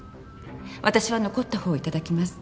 私は残った方を頂きます。